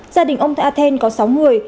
gia đình ông athen có sáu người